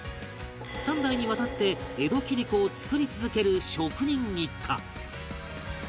３代にわたって江戸切子を作り続ける職人一家